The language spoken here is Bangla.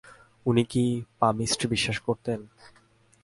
উনি কি পামিস্ট্রি বিশ্বাস করতেন?